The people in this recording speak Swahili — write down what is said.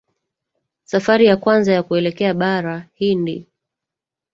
Safari ya kwanza ya kuelekea bara hindi